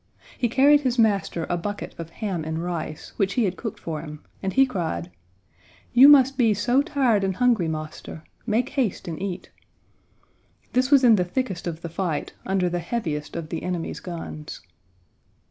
He carried his master a bucket of ham and rice, which he had cooked for him, and he cried: "You must be so tired and hungry, marster; make haste and eat." This was in the thickest of the fight, under the heaviest of the enemy's guns.